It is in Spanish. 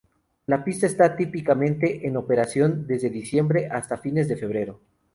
La pista está típicamente en operación desde diciembre hasta fines de febrero.